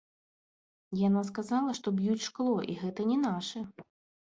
Яна сказала, што б'юць шкло, і гэта не нашы.